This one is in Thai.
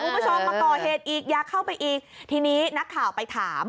คุณผู้ชมมาก่อเหตุอีกอย่าเข้าไปอีกทีนี้นักข่าวไปถาม